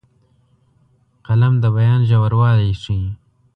قلم د بیان ژوروالی ښيي